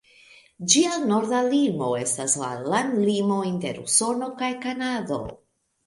Ĝia norda limo estas la landlimo inter Usono kaj Kanado.